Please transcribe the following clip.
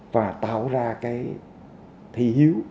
và tạo ra cái thi hiếu